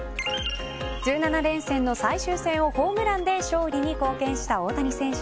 １７連戦の最終戦をホームランで勝利に貢献した大谷選手。